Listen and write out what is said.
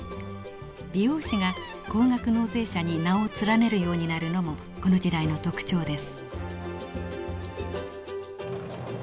美容師が高額納税者に名を連ねるようになるのもこの時代の特徴です。